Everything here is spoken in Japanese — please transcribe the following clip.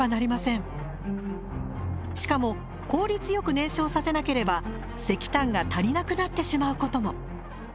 しかも効率よく燃焼させなければ石炭が足りなくなってしまうことも。